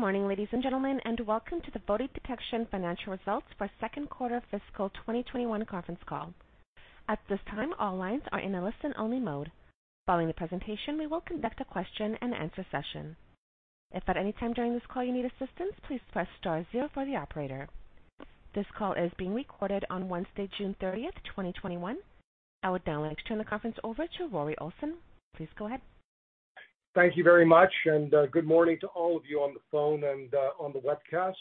Good morning, ladies and gentlemen, and welcome to the VOTI Detection financial results for second quarter fiscal 2021 conference call. At this time, all lines are in a listen-only mode. Following the presentation, we will conduct a question-and-answer session. If at any time during this call you need assistance, please press star zero for the operator. This call is being recorded on Wednesday, June 30th, 2021. I would now like to turn the conference over to Rory Olson. Please go ahead. Thank you very much. Good morning to all of you on the phone and on the webcast.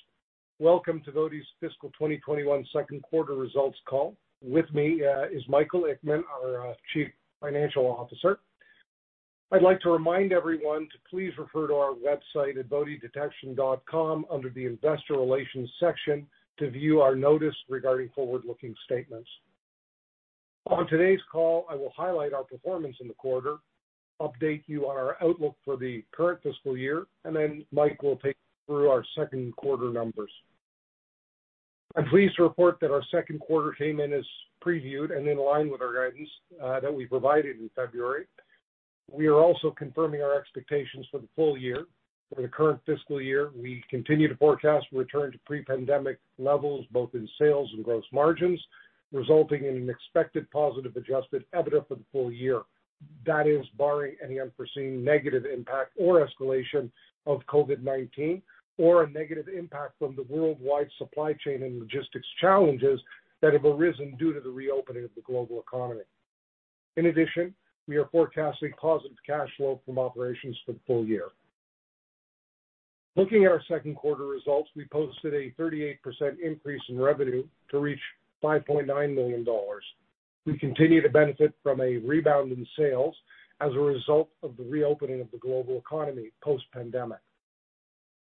Welcome to VOTI's fiscal 2021 second quarter results call. With me is Michael lckman, our Chief Financial Officer. I'd like to remind everyone to please refer to our website at votidetection.com under the investor relations section to view our notice regarding forward-looking statements. On today's call, I will highlight our performance in the quarter, update you on our outlook for the current fiscal year, and then Mike will take you through our second quarter numbers. I'm pleased to report that our second quarter came in as previewed and in line with our guidance that we provided in February. We are also confirming our expectations for the full year. For the current fiscal year, we continue to forecast return to pre-pandemic levels both in sales and gross margins, resulting in an expected positive Adjusted EBITDA for the full year. That is barring any unforeseen negative impact or escalation of COVID-19, or a negative impact from the worldwide supply chain and logistics challenges that have arisen due to the reopening of the global economy. In addition, we are forecasting positive cash flow from operations for the full year. Looking at our second quarter results, we posted a 38% increase in revenue to reach 5.9 million dollars. We continue to benefit from a rebound in sales as a result of the reopening of the global economy post-pandemic.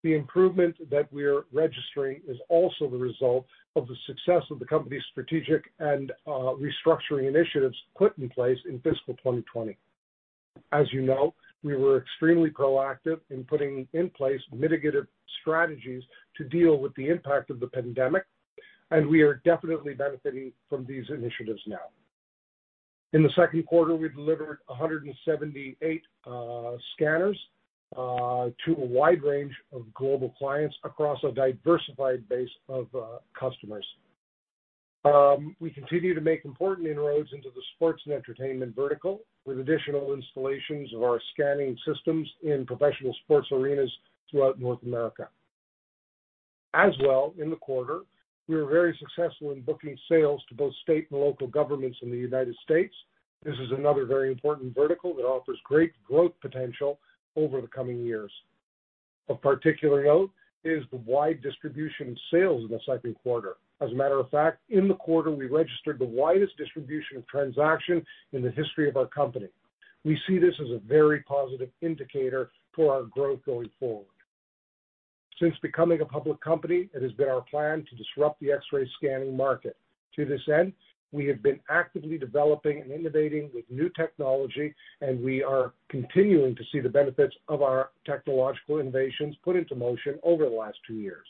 The improvement that we're registering is also the result of the success of the company's strategic and restructuring initiatives put in place in fiscal 2020. As you know, we were extremely proactive in putting in place mitigative strategies to deal with the impact of the pandemic, and we are definitely benefiting from these initiatives now. In the second quarter, we delivered 178 scanners, to a wide range of global clients across a diversified base of customers. We continue to make important inroads into the sports and entertainment vertical, with additional installations of our scanning systems in professional sports arenas throughout North America. As well, in the quarter, we were very successful in booking sales to both state and local governments in the United States. This is another very important vertical that offers great growth potential over the coming years. Of particular note is the wide distribution of sales in the second quarter. As a matter of fact, in the quarter we registered the widest distribution of transaction in the history of our company. We see this as a very positive indicator for our growth going forward. Since becoming a public company, it has been our plan to disrupt the X-ray scanning market. To this end, we have been actively developing and innovating with new technology, and we are continuing to see the benefits of our technological innovations put into motion over the last two years.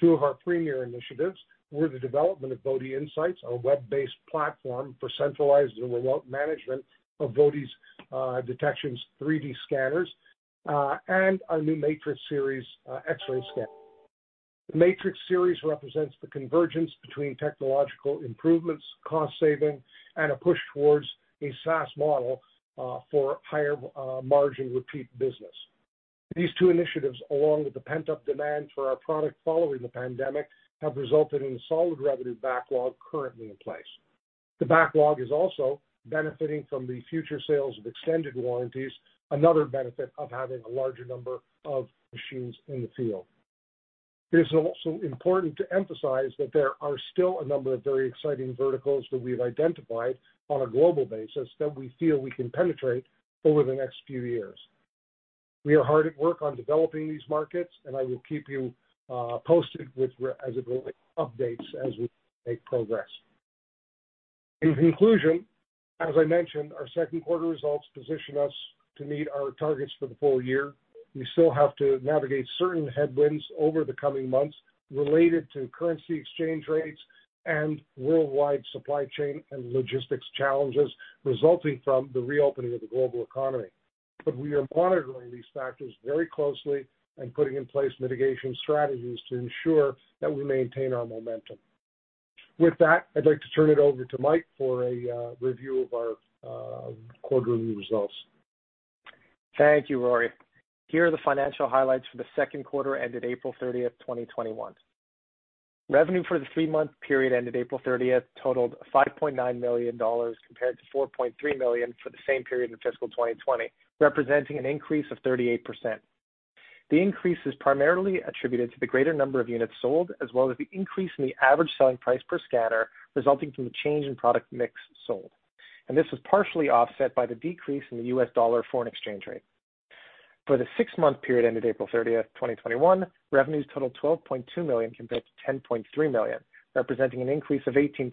Two of our premier initiatives were the development of VotiINSIGHTS, our web-based platform for centralized and remote management of VOTI Detection's 30 scanners, and our new Matrix Series X-ray scanner. The Matrix Series represents the convergence between technological improvements, cost saving, and a push towards a SaaS model for higher margin repeat business. These two initiatives, along with the pent-up demand for our product following the pandemic, have resulted in a solid revenue backlog currently in place. The backlog is also benefiting from the future sales of extended warranties, another benefit of having a larger number of machines in the field. It is also important to emphasize that there are still a number of very exciting verticals that we've identified on a global basis that we feel we can penetrate over the next few years. We are hard at work on developing these markets, and I will keep you posted with updates as we make progress. In conclusion, as I mentioned, our second quarter results position us to meet our targets for the full year. We still have to navigate certain headwinds over the coming months related to currency exchange rates and worldwide supply chain and logistics challenges resulting from the reopening of the global economy. We are monitoring these factors very closely and putting in place mitigation strategies to ensure that we maintain our momentum. With that, I'd like to turn it over to Mike for a review of our quarterly results. Thank you, Rory. Here are the financial highlights for the second quarter ended April 30th, 2021. Revenue for the three-month period ended April 30th totaled 5.9 million dollars compared to 4.3 million for the same period in fiscal 2020, representing an increase of 38%. The increase is primarily attributed to the greater number of units sold as well as the increase in the average selling price per scanner resulting from the change in product mix sold, and this was partially offset by the decrease in the U.S. dollar foreign exchange rate. For the six-month period ended April 30th, 2021, revenues totaled 12.2 million compared to 10.3 million, representing an increase of 18%.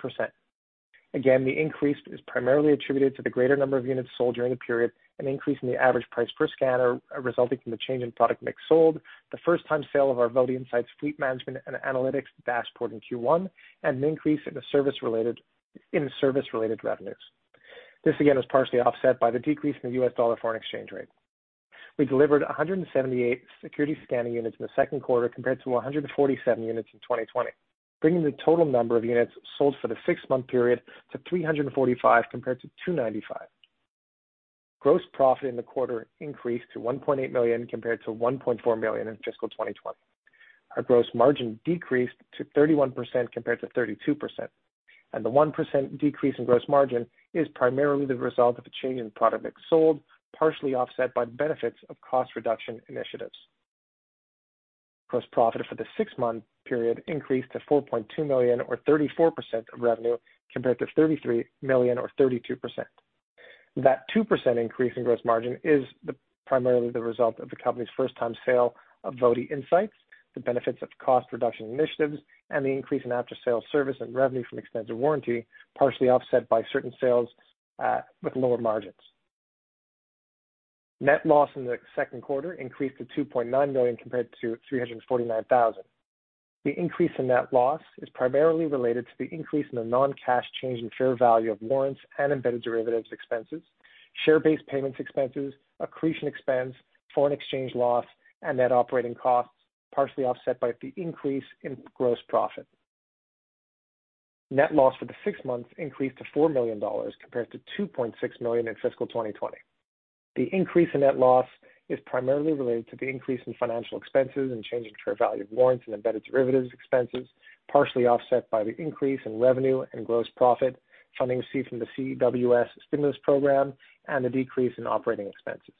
Again, the increase is primarily attributed to the greater number of units sold during the period, an increase in the average price per scanner, resulting from the change in product mix sold, the first time sale of our VotiINSIGHTS fleet management and analytics dashboard in Q1, and an increase in service-related revenues. This again is partially offset by the decrease in the U.S. dollar foreign exchange rate. We delivered 178 security scanning units in the second quarter compared to 147 units in 2020, bringing the total number of units sold for the six-month period to 345 compared to 295. Gross profit in the quarter increased to 1.8 million compared to 1.4 million in fiscal 2020. Our gross margin decreased to 31% compared to 32%. And the 1% decrease in gross margin is primarily the result of a change in product mix sold, partially offset by the benefits of cost reduction initiatives. Gross profit for the six-month period increased to 4.2 million or 34% of revenue, compared to 33 million or 32%. That 2% increase in gross margin is the, primarily the result of the company's first time sale of VotiINSIGHTS, the benefits of cost reduction initiatives, and the increase in after-sales service and revenue from extended warranty, partially offset by certain sales, with lower margins. Net loss in the second quarter increased to 2.9 million compared to 349,000. The increase in net loss is primarily related to the increase in the non-cash change in share value of warrants and embedded derivatives expenses, share-based payments expenses, accretion expense, foreign exchange loss, and net operating costs, partially offset by the increase in gross profit. Net loss for the six months increased to 4 million dollars compared to 2.6 million in fiscal 2020. The increase in net loss is primarily related to the increase in financial expenses and change in fair value of warrants and embedded derivatives expenses, partially offset by the increase in revenue and gross profit, funding received from the CEWS stimulus program, and a decrease in operating expenses.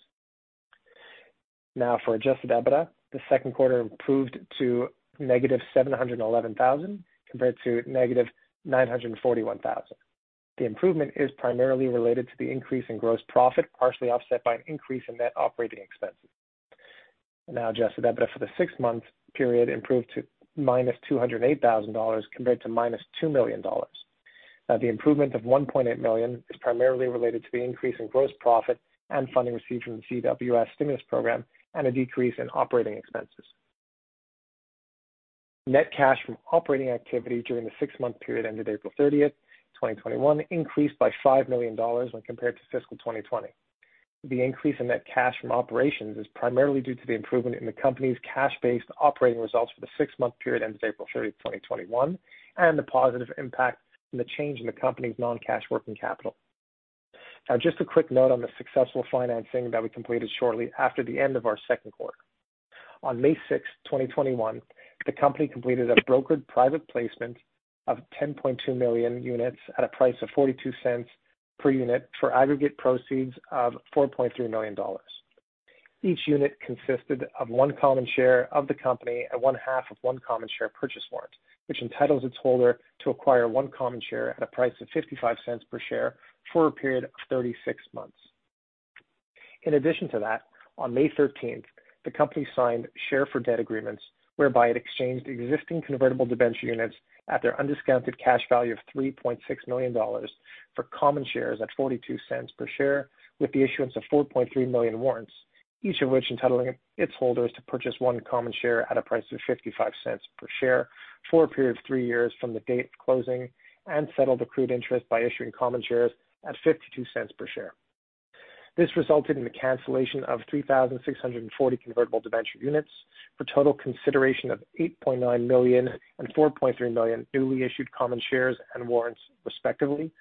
Now, for adjusted EBITDA, the second quarter improved to -711, 000 compared to -941, 000. The improvement is primarily related to the increase in gross profit, partially offset by an increase in net operating expenses. Adjusted EBITDA for the six-month period improved to -208,000 dollars compared to -2 million dollars. The improvement of 1.8 million is primarily related to the increase in gross profit and funding received from the CEWS stimulus program and a decrease in operating expenses. Net cash from operating activity during the six-month period ended April 30, 2021 increased by 5 million dollars when compared to fiscal 2020. The increase in net cash from operations is primarily due to the improvement in the company's cash-based operating results for the six-month period ended April 30, 2021, and the positive impact from the change in the company's non-cash working capital. Just a quick note on the successful financing that we completed shortly after the end of our second quarter. On May 6, 2021, the company completed a brokered private placement of 10.2 million units at a price of 0.42 per unit for aggregate proceeds of 4.3 million dollars. Each unit consisted of one common share of the company and one half of one common share purchase warrant, which entitles its holder to acquire one common share at a price of 0.55 per share for a period of 36 months. In addition to that, on May 13th, the company signed share for debt agreements whereby it exchanged existing convertible debenture units at their undiscounted cash value of 3.6 million dollars for common shares at CAD O.42 per share with the issuance of 4.3 million warrants, each of which entitling its holders to purchase one common share at a price of 0.55 per share for a period of three years from the date of closing and settle the accrued interest by issuing common shares at 0.52 per share. This resulted in the cancellation of 3,640 convertible debenture units for total consideration of 8.9 million and 4.3 million newly issued common shares and warrants, respectively.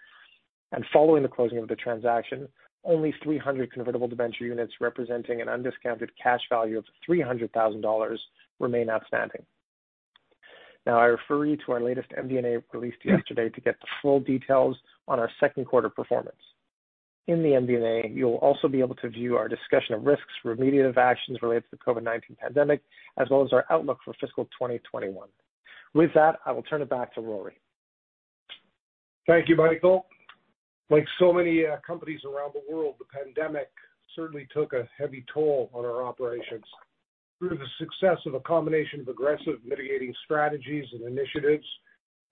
Following the closing of the transaction, only 300 convertible debenture units representing an undiscounted cash value of 300,000 dollars remain outstanding. I refer you to our latest MD&A released yesterday to get the full details on our second quarter performance. In the MD&A, you will also be able to view our discussion of risks, remediative actions related to the COVID-19 pandemic, as well as our outlook for fiscal 2021. With that, I will turn it back to Rory. Thank you, Michael. Like so many companies around the world, the pandemic certainly took a heavy toll on our operations. Through the success of a combination of aggressive mitigating strategies and initiatives,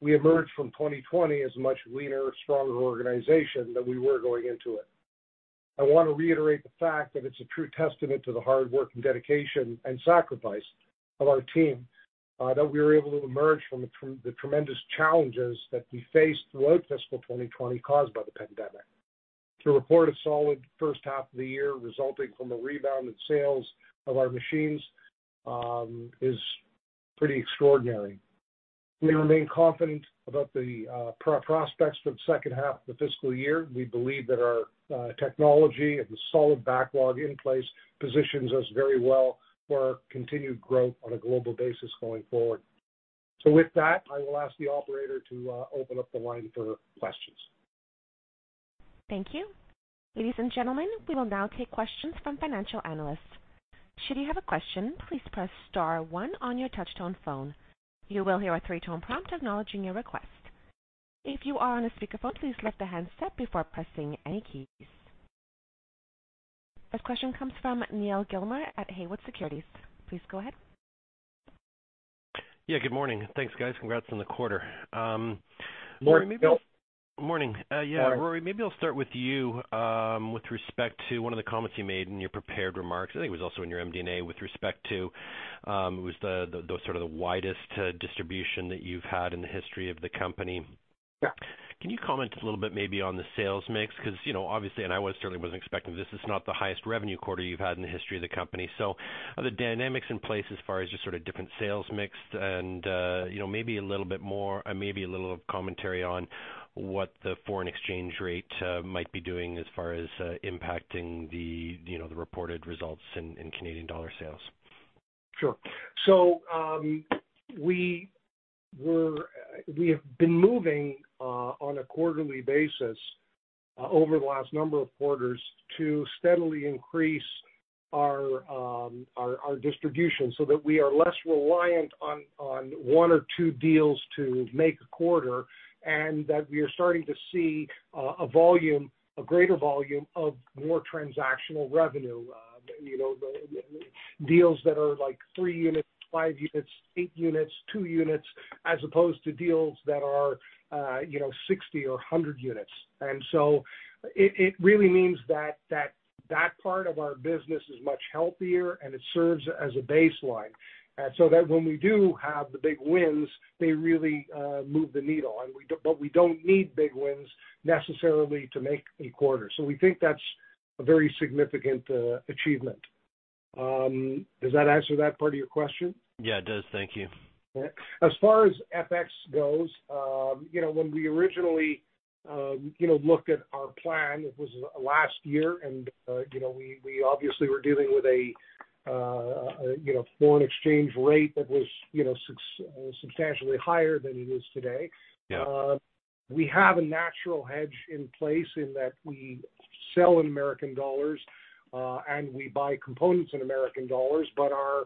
we emerged from 2020 as a much leaner, stronger organization than we were going into it. I want to reiterate the fact that it's a true testament to the hard work and dedication and sacrifice of our team that we were able to emerge from the tremendous challenges that we faced throughout fiscal 2020 caused by the pandemic. To report a solid first half of the year resulting from a rebound in sales of our machines is pretty extraordinary. We remain confident about the prospects for the second half of the fiscal year. We believe that our technology and the solid backlog in place positions us very well for continued growth on a global basis going forward. With that, I will ask the operator to open up the line for questions. Thank you. Ladies and gentlemen, we will now take questions from financial analysts. Should you have a question, please press star one on your touch-tone phone. You will hear a three-tone prompt acknowledging your request. If you are on a speakerphone, please lift the handset before pressing any keys. First question comes from Neal Gilmer at Haywood Securities. Please go ahead. Yeah, good morning. Thanks, guys. Congrats on the quarter. Morning, Neal. Morning. Yeah. Morning. Rory, maybe I'll start with you, with respect to one of the comments you made in your prepared remarks, I think it was also in your MD&A with respect to, it was the sort of the widest distribution that you've had in the history of the company. Yeah. Can you comment a little bit maybe on the sales mix? 'Cause, you know, obviously, and I was certainly wasn't expecting this, it's not the highest revenue quarter you've had in the history of the company. Are the dynamics in place as far as just sort of different sales mix and, you know, Maybe a little commentary on what the foreign exchange rate might be doing as far as impacting the, you know, the reported results in Canadian dollar sales? Sure. We have been moving on a quarterly basis over the last number of quarters to steadily increase our distribution so that we are less reliant on one or two deals to make a quarter, and that we are starting to see a volume, a greater volume of more transactional revenue. You know, the deals that are, like, three units, five units, eight units, two units, as opposed to deals that are, you know, 60 or 100 units. It really means that that part of our business is much healthier, and it serves as a baseline. When we do have the big wins, they really move the needle. We don't need big wins necessarily to make a quarter. We think that's a very significant achievement. Does that answer that part of your question? Yeah, it does. Thank you. As far as FX goes, you know, when we originally, you know, looked at our plan, it was last year, and, you know, we obviously were dealing with a, you know, foreign exchange rate that was, you know, substantially higher than it is today. Yeah. We have a natural hedge in place in that we sell in American dollars, and we buy components in American dollars, but our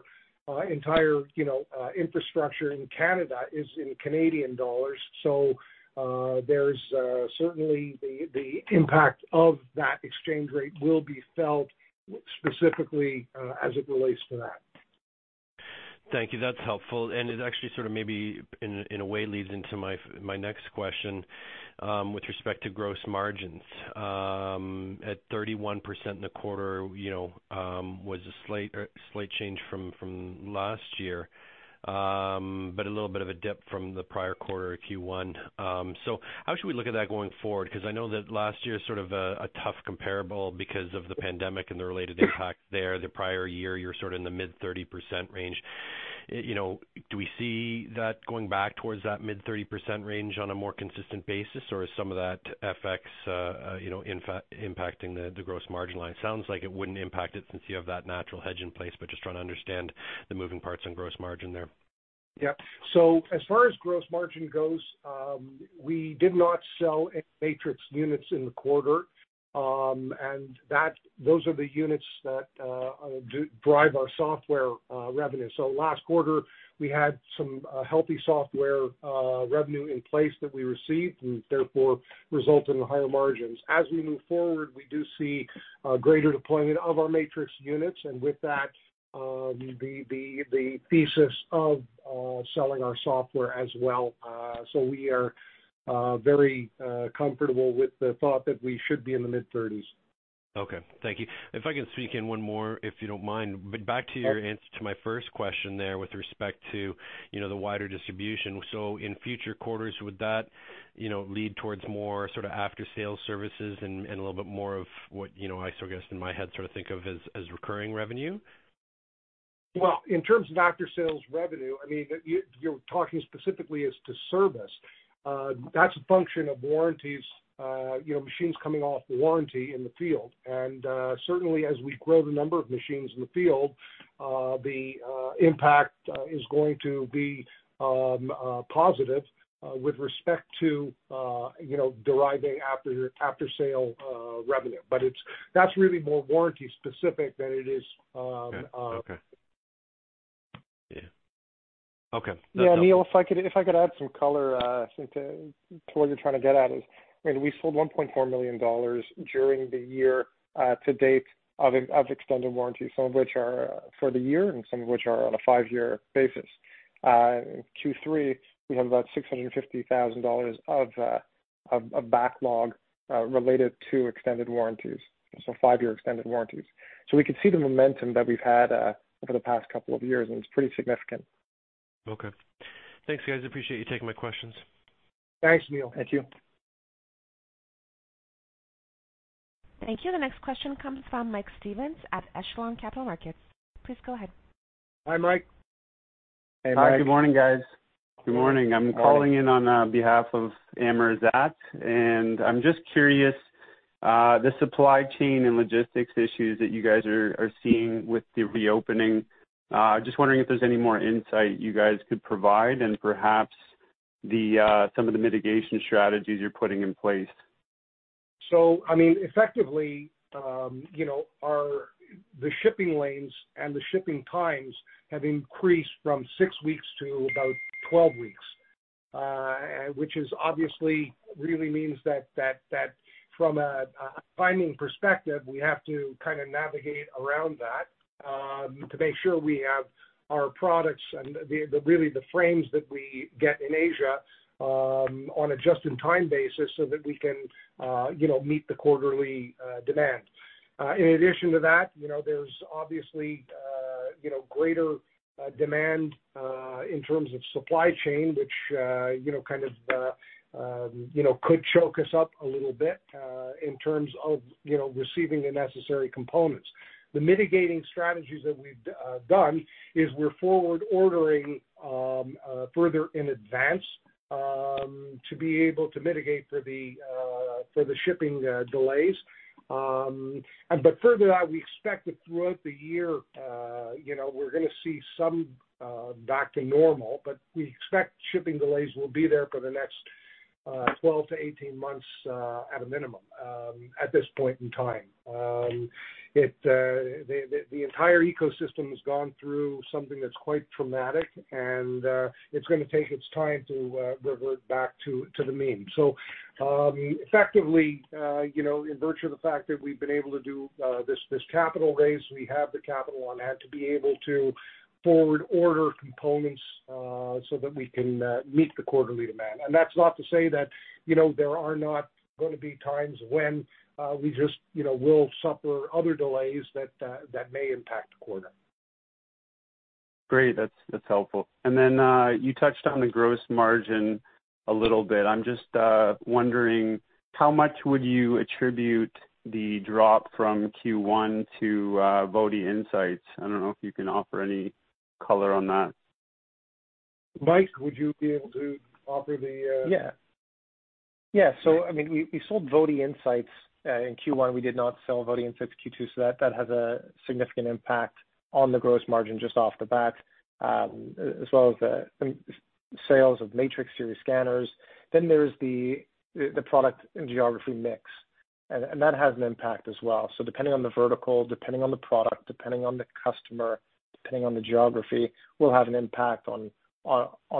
entire, you know, infrastructure in Canada is in Canadian dollars. There's certainly the impact of that exchange rate will be felt specifically as it relates to that. Thank you. That's helpful. It actually sort of maybe in a, in a way leads into my next question, with respect to gross margins. At 31% in the quarter, you know, was a slight change from last year. A little bit of a dip from the prior quarter Q1. How should we look at that going forward? 'Cause I know that last year is sort of a tough comparable because of the pandemic and the related impact there. The prior year, you're sort of in the mid-30% range. You know, do we see that going back towards that mid-30% range on a more consistent basis, or is some of that FX, you know, impacting the gross margin line? Sounds like it wouldn't impact it since you have that natural hedge in place. Just trying to understand the moving parts on gross margin there. As far as gross margin goes, we did not sell any Matrix units in the quarter. Those are the units that do drive our software revenue. Last quarter, we had some healthy software revenue in place that we received and therefore resulted in higher margins. As we move forward, we do see a greater deployment of our Matrix units and with that, the thesis of selling our software as well. We are very comfortable with the thought that we should be in the mid-30s. Okay, thank you. If I can sneak in one more, if you don't mind. Back to your answer to my first question there with respect to, you know, the wider distribution. In future quarters, would that, you know, lead towards more sort of after-sale services and a little bit more of what, you know, I sort of guess in my head think of as recurring revenue? Well, in terms of after-sales revenue, I mean, you're talking specifically as to service. That's a function of warranties, you know, machines coming off the warranty in the field. Certainly as we grow the number of machines in the field, the impact is going to be positive with respect to, you know, deriving after-sale revenue. That's really more warranty specific than it is. Okay. Yeah. Okay. Yeah, Neal, if I could, if I could add some color, to what you're trying to get at is, I mean, we sold one point four million dollars during the year to date of extended warranties, some of which are for the year and some of which are on a five-year basis.in Q3, we have about 650 dollars, 000 of, of a backlog related to extended warranties, so five-year extended warranties. So we could see the momentum that we've had, over the past couple of years, and it's pretty significant. Okay. Thanks, guys. I appreciate you taking my questions. Thanks, Neal. Thank you. Thank you. The next question comes from Mike Stevens at Echelon Capital Markets. Please go ahead. Hi, Mike. Hey, Mike. Hi, good morning, guys. Good morning. I'm calling in on behalf of Amir Zaidi, and I'm just curious the supply chain and logistics issues that you guys are seeing with the reopening. Just wondering if there's any more insight you guys could provide and perhaps the some of the mitigation strategies you're putting in place. So I mean, effectively, you know, our the shipping lanes and the shipping times have increased from six weeks to about 12 weeks. Which is obviously really means that, that from a timing perspective, we have to kind of navigate around that, to make sure we have our products and the, really the frames that we get in Asia, on a just-in-time basis so that we can, you know, meet the quarterly demand. In addition to that, you know, there's obviously, you know, greater demand in terms of supply chain, which you know, kind of, you know, could choke us up a little bit in terms of, you know, receiving the necessary components. The mitigating strategies that we've done is we're forward ordering further in advance to be able to mitigate for the shipping delays. Further out, we expect that throughout the year, you know, we're gonna see some back to normal, but we expect shipping delays will be there for the next 12-18 months at a minimum at this point in time. The entire ecosystem has gone through something that's quite traumatic and it's gonna take its time to revert back to the mean. Effectively, you know, in virtue of the fact that we've been able to do this capital raise, we have the capital on hand to be able to forward order components, so that we can meet the quarterly demand. That's not to say that, you know, there are not going to be times when we just, you know, will suffer other delays that may impact the quarter. Great. That's, that's helpful. You touched on the gross margin a little bit. I'm just, wondering how much would you attribute the drop from Q1 to, VotiINSIGHTS? I don't know if you can offer any color on that. Mike, would you be able to offer the. Yeah. Yeah. I mean, we sold VotiINSIGHTS in Q1. We did not sell VotiINSIGHTS Q2, that has a significant impact on the gross margin just off the bat, as well as the sales of Matrix Series scanners. There's the product and geography mix. That has an impact as well. Depending on the vertical, depending on the product, depending on the customer, depending on the geography, will have an impact on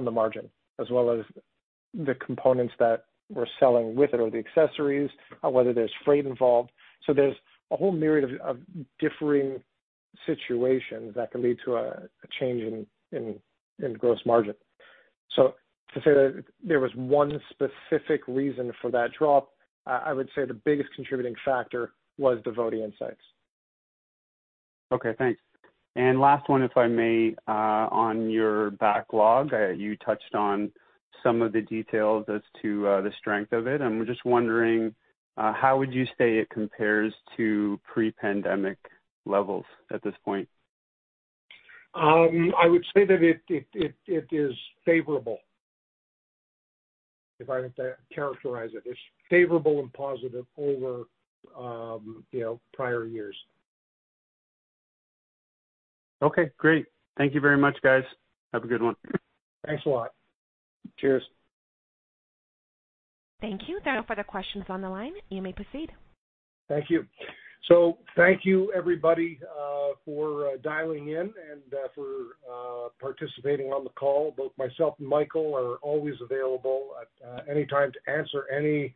the margin as well as the components that we're selling with it or the accessories or whether there's freight involved. There's a whole myriad of differing situations that can lead to a change in gross margin. So to say that there was one specific reason for that drop, I would say the biggest contributing factor was the VotiINSIGHTS. Okay, thanks. Last one, if I may, on your backlog. You touched on some of the details as to the strength of it. I'm just wondering, how would you say it compares to pre-pandemic levels at this point? I would say that it, it is favorable, if I were to characterize it. It's favorable and positive over, you know, prior years. Okay, great. Thank you very much, guys. Have a good one. Thanks a lot. Cheers. Thank you. There are no further questions on the line. You may proceed. Thank you. So thank you, everybody for dialing in and, for participating on the call. Both myself and Michael are always available at any time to answer any,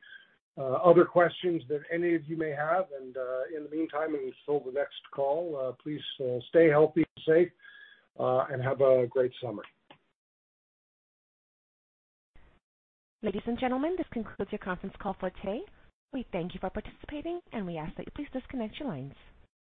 uh, other questions that any of you may have. And in the meantime and until the next call, please stay healthy, safe, and have a great summer. Ladies and gentlemen, this concludes your conference call for today. We thank you for participating, and we ask that you please disconnect your lines.